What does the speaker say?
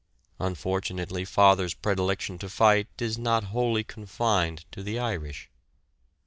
Unfortunately "father's" predilection to fight is not wholly confined to the Irish!